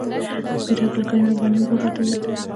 د پیر عبدالکریم افغاني ورور راته وویل.